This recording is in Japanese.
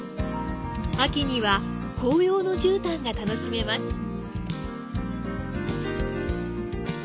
秋には紅葉の絨毯が楽しめます。